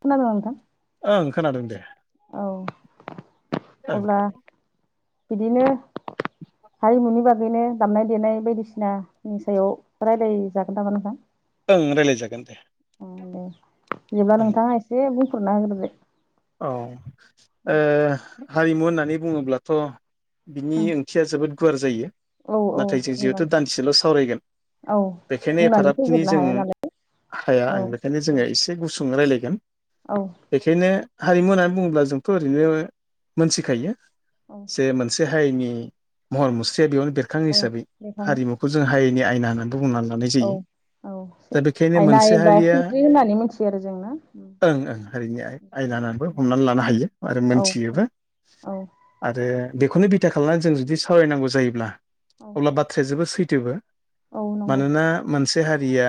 खोनादों नोंथां? ओं खोनादों दे। औ ओं अब्ला बिदिनो हारिमुनि बा गैनो दामनाय देनाय बायदिसिना नि सायाव रायलाय जागोन नामा नोंथां। ओं रायलायजागोन दे। ओ दे बिदिब्ला ओं नोंथाङा एसे बुंफोरना होग्रो दे औ ओ हारिमु होननानै बुङोब्लाथ'। बिनि ओंथिया जोबोद गुवार जायो औ नाथाय जों जिहेथु बुंनानै दान्दिसेल' सावरायगोन। औ बेखायनो बुंनानै एफाराबखिनि फोजोबनो जों हाया नालाय हाया औ आं बेखायनो जोङो औ एसे गुसु सु रायलायगोन औ बेखायनो हारिमु होननानै बुङोब्ला जोंथ' ओरैनो मोनथिखायो औ जे मोनसे हायिनि महर मुस्रिया बेयावनो बेरखाङो औ हिसाबै बेखाङो हारिमुखौ जों हायनि आयना होनानानै बुंनानै लानाय औ जायो। दा औ बेखायनो आयना मोनसे एबा हारिया फिनज्रि होननानै मिथियो आरो जों ना ओं ओं हारिनि आय आयना। बो हमनानै लानो हायो आरो औ मोनथियोबो औ आरो बेखौनो बिथा खालामनानै जों जुदि सावरायनांगौ जायोब्ला औ अब्ला बाथ्राया जोबोद सैथोबो। औ नंगौ मानोना मोनसे हारिया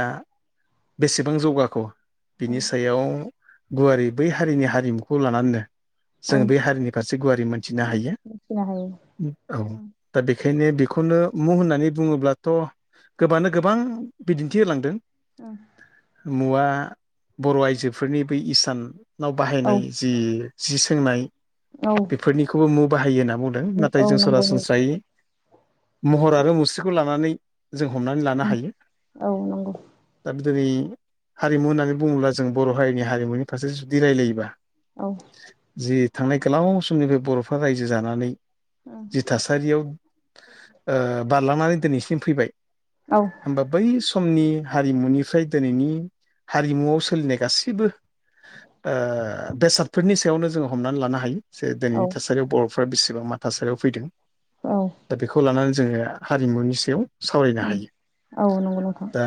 बेसेबां जौगाखो बिनि सायाव गुवारै बै हारिनि हारिमुखौ लानानैनो औ जोङो बे हारिनि फारसे गुवारै मोनथिनो हायो। मिथिनो हायो औ दा बे खायनो बेखौनो मुं होननानै बुङोब्लाथ' गोबानो गोबां बिदिन्थि होलांदों। औ मुवा बर' आइजोफोरनि बै इसानाव औ बाहायनाय जि जि सोंनाय औ बेफोरनिखौबो मु बाहायो होनना बुंदों औ नाथाय जों नंगौ नंगौ सरासनस्रायै महर आरो मुस्रिखौ लानानै जों हमनानै लानो उम हायो। औ नंगौ दा दिनै हारिमु होननानै बुङोब्ला जों बर' हारिनि हारिमुनि फारसे जुदि रायलायोबा। औ जि थांनाय गोलाव समनिफ्राय बर'फ्रा रायजो जानानै जि थासारियाव ओ बारलांनानै दिनैसिम फैबाय औ होनबा बै स समनि हारिमुनिफ्राय दिनैनि हारिमुआव सोलिनाय गासैबो ओ बेसादफोरनि सायावनो जोङो हमनानै लानो हायो जे औ दिनैनि थासारियाव बर' फोर बेसेबां मा थासारियाव फैदों औ दा बेखौ लानानै जोङो हारिमुनि सायाव सावरायनो औ हायो नंगौ नोंथां दा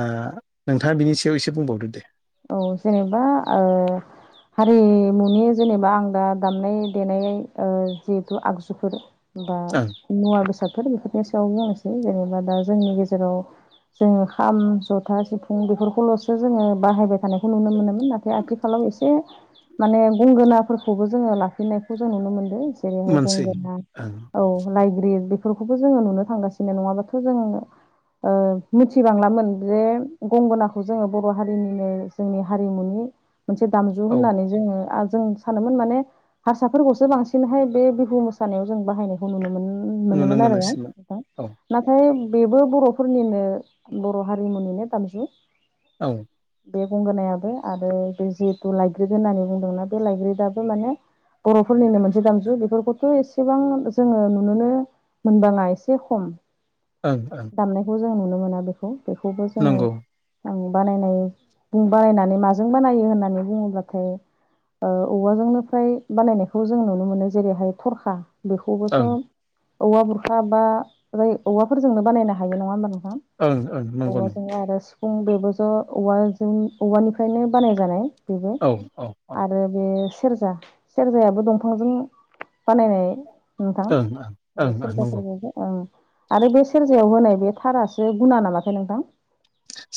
नोंथाङा बिनि सायाव एसे बुंबावदो दे औ जेनेबा ओ हारिमुनि जेनेबा आं दा दामनाय देनाय ओ जिहेथु आगजुफोर बा ओं मुवा बेसादफोर बेफोरनि सायावनो आंसै जेनेबा दा जोंनि गेजेराव जोङो खाम जथा सिफुं बेफोरखौल'सो जोङो बाहायबाय थानायखौ नुनो मोनोमोन नाथाय आथिखालाव एसे माने गंगोनाफोरखौबो जोङो लाफिनायखौ जों नुनो मोनदों जेरैहाय मोनसै गंगोना ओं औ लइग्रिद बेफोरखौबो जोङो नुनो थांगासिनो नङाबाथ' जोङो ओ मिथिबांलामोन जे गंगोनाखौ जोङो बर' हारिनिनो जोंनि हारिमुनि मोनसे दामजु औ होननानै जोङो जों सानोमोन माने हारसाफोरखौसो बांसिनहाय बे बिहु मोसानायाव जों बाहायनायखौ नुनो मोन नुनो मोनोमोन आरो मोनोसैमोन नोंथां औ नाथाय बेबो बर'फोरनिनो बर' हारिमुनिनो दामजु औ बे गंगनायाबो आरो बे जिहेथु लाइग्रिद होननानै बुंदोंना बे लाइग्रिदआबो माने बर'फोरनिनो मोनसे दामजु बेफोरखौथ' एसेबां जोङो नुुनोनो मोनबाङा एसे खम ओं ओं दामनायखौ जों नुनो मोना बेखौ बेखौबो जोङो नंगौ आं बानायनाय बुं बानायनानै माजों बानायो होननानै बुङोब्लाथाय ओ औवाजोंनो फ्राय बानायनायखौ जों नुनो मोनो जेरैहाय थरखा बेखौबो ओं स' औवा बुरखा बा बझ औवाफोरजोंनो बानायनो हायो नङा होमबा नों ओं ओं नंगौ नङा फुं बेबो ज' औवों औवानिफ्रायनो बानाय जानाय बेबो औ औ औ ओं आरो बे सेरजा सेरजायाबो दंफांजों बानायनाय नोंथां ओं औ ओं ओं नंगौ सेरजा आरो बे सेरजायाव होनाय बे थारासो गुना नामाथाय नोंथां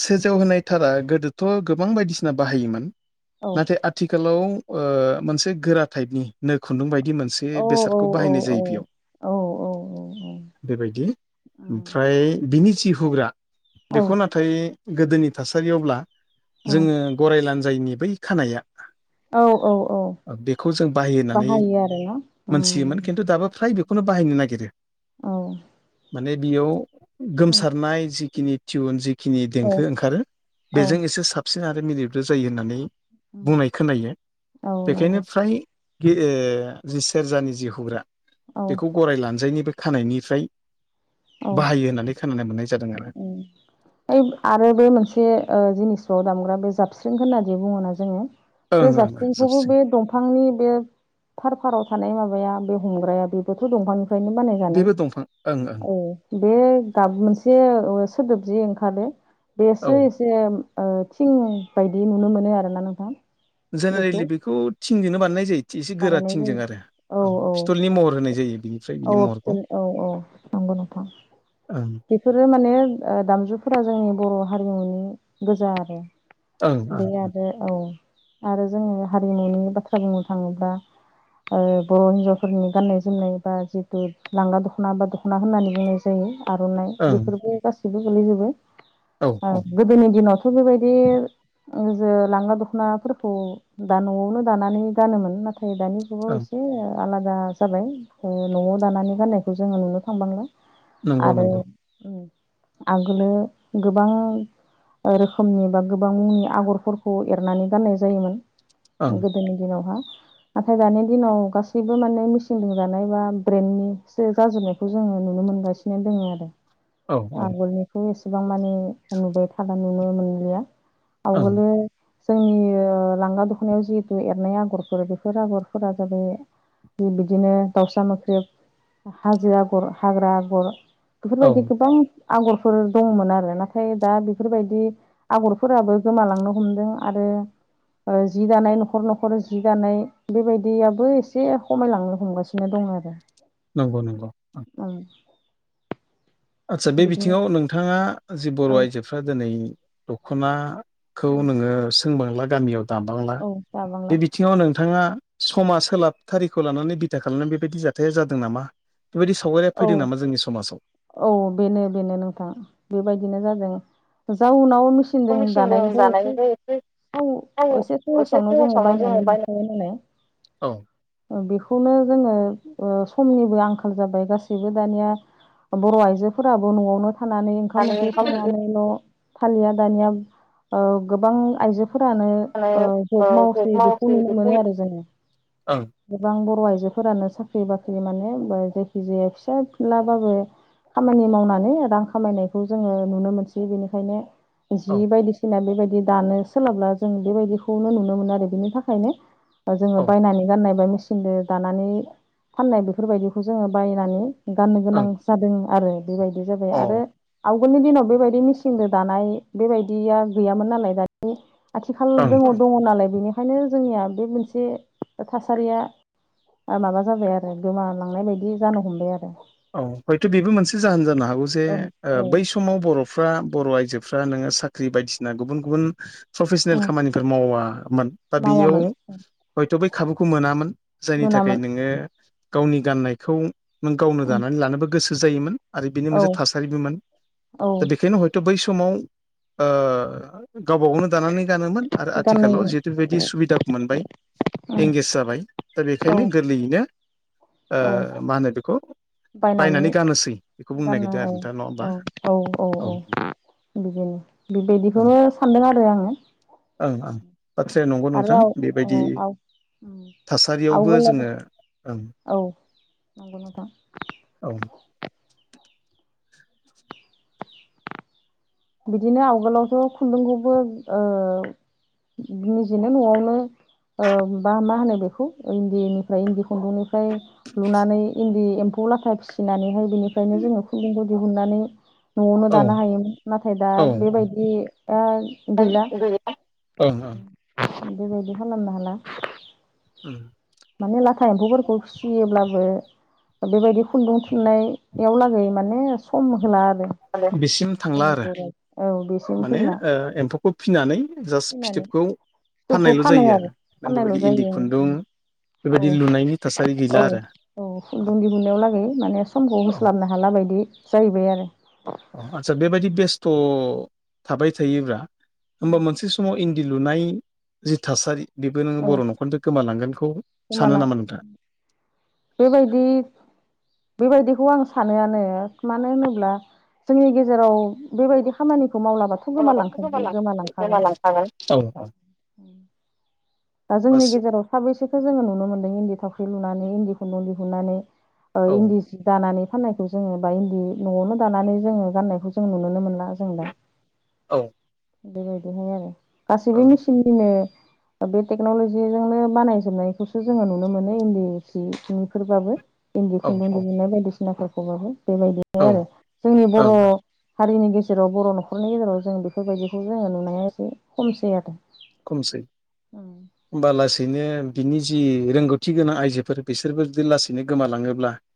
सेरजायाव होनायथारा गोदोथ' गोबां बायदिसिना बाहायोमोन औ नाथाय आथिखालाव ओ मोनसे गोरा टाइपनि नो खुन्दुं बायदि मोन औ बेादखौ औ बायनाय जायो बेयाव औ औ औ बेबायदि ओमफ्राय बिनि फथि हुग्रा औ बेखौ नाथाय गोदोनि थासारियावब्ला जोङो गराय लानजायैनि बै खानाया [inaudible] औ बेखौ जों बाहाय होननानै बाहायो आरोना औ मोनथियोमोन खिन्थु दाबो फ्राय बेखौनो बाहायनो [unintelligible] औ माने बेयाव गोमसारनाय जिखिनि टिउन जि खिनि औ देंखो नंगौ ओंखारो बेजों एसे साबसिन आरो मिलब्रो जायो होननानै बुंनाय खोनायो बेखायनो फ्राय जि सेरजानि जि हुग्रा औ बेखौ गराय लानजायनिबो खानायनिफ्राय औ बाहायो होननानै खोनानो मोननाय जादों आरो ओ आरो बे मोनसे ओ जिनिसाव दामग्रा बे जाबस्रिं होननादि बुङोना जोङो ओं बे ओं ओं जाबस्रिंखौबो साबसिन बे दंफांनि बे थार फाराव थानाय माबा बे हमग्राया बेबोथ' दंफां [unintelligible] बानायजानाय बेबो दंफां ओं ओं औ बे गाब मोनसे औ ओ सोदोब जि ओंखारो औ बेसो एसे ओ थिं बायदि नुनो मोनो आरोना नोंथां जेनेरेलि बेखौ थिंजोंनो बानायनाय जायो एसे गोरा थिंजों आरो औ फिथलनि महर होनाय जायो बिनिफ्राय बिनि औ फ महरखौ औ औ नंगौ नोंथां [inaudible] बेफोरो माने ओ दामजुफोरा जोंनि बर' हारिमुनि गोजा आरो ओं बे ओं ओं आरो औ आरो जोङो हारिमुनि बाथ्रा बुंनो थाङोब्ला ओ बर' हिनजावफोरनि गाननाय जोमनाय बा जिहेथु लांगा दख'ना बा दख'ना होननानै बुंनाय जायो। आर'नाइ ओं बेफोरबो गासिबो गोलैजोबो औ औ गोदोनि दिनावथ' बेबायदि ओ जो लांगा दख'नाफोरखौ दा न'आवनो दानानै गानोमोन ना थाय दानि जुगाव ओं एसे आलादा जाबाय न'आव दानानै गाननायखौ जोङो नुनो थांबांला नंगौ नंगौ औ आगोलो गोबां [inaudible] गोदोनि ओं दिनावहा नाथाय दानि दिनाव गासैबो माने मेचिनजों दानाय बा ब्रेन्डनिसो जाजोबनायखौ जों नुनो मोनगासिनो दोंङो आरो, औ आगोलनिखौ एसेबां माने नुबाय थाला नुनो मोनलिया, ओं आवगोलो जोंनि ओ लांगा दख'नायाव जिहेतु एरनाय आगरफोर बेफोर आगरफोरा जाबाय, बिदिनो दाउसा मोख्रेब, हाजो आगर, हाग्रा आगर औ बेफोरबायदि गोबां आगरफोर दंमोन आरो नाथाय दा बेफोरबायदि आगरफोराबो गोमालांनो हम दों आरो ओ जि दानाय न'खर-न'खर जि दानाय बेबायदियाबो एसे खमायलांनो हमगासिनो दं, आरो नंगौ-नंगौ ओं आदसा बे बिदिनो बिथिंङाव नोंथांङा जि बर' औ आइजोफ्रा दिनै दख'ना खौ औ नोंङो सोंबांला गामियाव दाबांला औ दाबांला बे बिथिंङाव नोंथांङा समा सोलाबथारिखौ लानानै बिथा खालामनानै बेबायदि जाथाया जादों नामा? बेबायदि सावगारिया फैदों औ नामा जोंनि समाजाव? औ बेनो बेनो नोंथां बेबायदिनो जादों जाउनाव मेसिनजों दानायनिफ्राय एसे थाव औ एसे सहसावनो जोंङो बायनानै मोनखाबाय नालाय औ बेखौनो जोंङो ओ समनिबो आंखाल जाबाय गाससि बो दानिया बर' आइजोफोराबो न'आवनो थानानै ओंखाम ओंख्रि संनानैल' फालिया दानिया ओ गोबां आइजो फोरानो जानो ओ ज'ब मावसै बेखौ नुनो मोनो आरो जोंङो ओं गोबां बर' आइ आइजोफोरानो साख्रि-बाख्रि माने बा जायखि जाया फिसा फिनलाबाबो खामानि मावनानै रां खामायनायखौ जोंङो नुनो मोनसै बिनिखायनो औ जि बायदिसिना बेबाय दि दानो सोलाबब्ला जों बेबायदिखौनो नुनो मोनो आरो बिनि थाखायनो, ओ जोंङो औ बायनानै गाननाय बा मेचिनदो दानानै फाननाय बेफोरबायदिखौ जोङो बायनानै गाननो गोनां ओं जादों आरो बेबायदि जाबाय अ आरो आव गोलनि दिनाव बेबायदि मेसिनजों दानाय बेबायदिया गैयामोन नालाय दानि आथिखाल ओं दंङ-दंङ नालाय बेनिखायनो जोंनिया बे मोनसे थासारिया आ माबा जाबाय आरो गोमालांनाय बायदि जानो हमबाय आरो, औ हयथ' बेबो मोनसे जाहोन जानो हागौ जे औ ओ औ बै समाव बर'फोरा बर' आइजो फ्रा नोंङो साख्रि बायदिसिना गुबुन-गुबुन प्रफेसनेल ओं खामानिफोर मावा मोन दा बेयाव मावामोन हयथ' बै खाबुखौ मोनामोन,। जायनि थाखाय मोनामोन नोंङो गावनि गाननायखौ नों गावनो दानानै लानोबो गोसो जायोमोन,। आरो बिनि औ मोनसे थासारिबोमोन औ दा बेखायनो ह'यथ' बै समाव ओ गावबा गावनो दानानै गानोमोन आरो गाननो आथिखालाव जिहेतु बिदि सुबिदाखौ मोनबाय,। एंगेज जाबाय दा बेखायनो औ गोरलैयैनो औ ओ मा होनो बेखौ बायनानै गानोसै बेखौ बुंनो गाननो नागिरदों आरो औ नोंथां नङा होमबा औ औ औ औ। बिदिनो बेबायदिखौनो सानदों आरो आंङो। ओं ओं बाथ्राया नंगौ नोंथां बेबायदि औ थासारियावबो आवगोल जोंङो ओं औ नंगौ नोंथां। औ। बिदिनो आवगोलावथ' खुन्दुंखौबो ओ निजेनो न'आवनो ओ बा मा होनो बेखौ इन्दिनिफ्राय इन्दि खुन्दुंनिफ्राय ओमफाय लुनानै इन्दि एम्फौ लाथा फिसिनानैहाय बेनिफ्रायनो जोंङो खुन्दुंखौ दिहुननानै न'आवनो औ दानो हायोमोन। नाथाय दा औ बेबायदिया गैला ओं ओं बेबायदि खालामनो हाला। उम। माने लाथा एम्फौफोरखौ फिसियोब्लाबो। बेबायदि खुन्दुं थुननायाव लागै माने सम होला आरो। बिसिम थांला जोंनि आरो बर' औ बेसिम माने फैला एम्फौखौ फिनानै जास्ट फैनानै फिथोबखौ। फिथोबखौ फाननायल' फानो जायो आरो नों फाननायल' बेबायदि इन्दि खुन्दुं जायो। औ बेबायदि लुनायनि थासारि गैला औ आरो औ खुन्दुं दिहुननायाव लागै माने समखौ औ होस्लाबनो हाला [unintelligible] बि जाहैबाय आरो। अ आदस्सा बेबायदि बेस्थ' थाबाय थायोब्ला होमबा मोनसे समाव। [unintelligible] लुनाय जि थासारि बेबो नोङो औ बर' न'खरनिफ्राय गोमालांगोन। बेखौ सानो गोमालां नामा नोंथाङा। बेबायदि बेबायदिखौ आं सानोआनो मानो होनोब्ला। जोंनि गेजेराव बेबायदि खामानि। खौ मावलाबाथ' गलाबाथ' गोमालांखा गोमालांखासै गोमालांखागोन। औ औ दा जोंनि बास गेजेराव साबेसेखो जोङो नुनो मोन्दों इन्दि थावख्रि लुनानै इन्दिखौ न' लुहोनानै। औ इन्दि जि दानानै। फाननायखौ जोङो बा इन्दि न'आवनो दानानै जोङो गाननायखौ जों नुनोनो मोनला जों दा। औ। बेबायदिहाय आरो औ गासैबो मेचिननिनो। बे टेक्न'लजिजोंनो बानायजोबनायखौसो जोङो नुनो मोनो इन्दि सि निफोरबाबो। इन्दि औ खुन्दुं औ दिहुंनाय बायदिसिनाफोरखौबाबो बेबायदिनो आरो जोंनि बर'। ओं हारिनि गेजेराव बर' न'खरनि गेजेराव जों बेफोरबायदिखौ जोङो नुनाया एसे खमसै आरो। खमसै होमबा लासेै। बिनो बिनि जि रोंगौथि गोनां आइजोफोर बिसोरबो जुदि लासैनो गोमालाङो।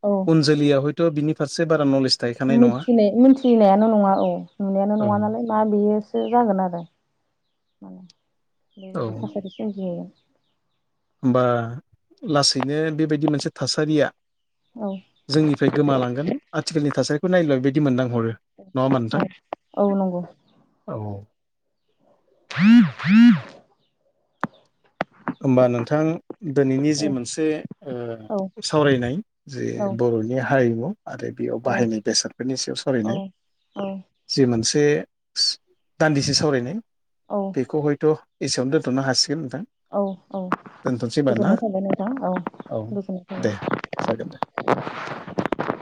औ उन जोलैया हयथ' बिनि फारसे बारा नलेज। थाहैखानाय नङा मोनथिनाय मोनथिनायानो नङा औ नुनायानो औ नङा नालाय मा बेयोसो जागोन आरो। मालाय औ बेबायदि थासारि सोमजिहैयो। होमबा लासैनो बेबायदि मोनसे थासारिया औ जोंनिफ्राय गोमालांगोन आथिखालनि थासारिखौ नायब्ला [unintelligible] [unintelligible] नङा होमबा औ नोंथां औ नंगौ औ। [inaudible] होमबा नोंथां दिनैनि औ जि मोनसे ओ औ सावरायनाय जे औ बर'नि [unintelligible] हारिमु आरो बेयाव औ बाहायनाय बेसादफोरनि सायाव औ सावरायनाय जि मोनसे। [unintelligible] दान्दिसे सावरायनाय औ बेखौ हयथ' एसेयावनो दोनथ'नो हासिगोन नोंथां। औ औ दोनथ'सै होनबा ना गोजोननाय थाबाय नोंथां, औ दे गोजोननाय थाबाय। [unintelligible]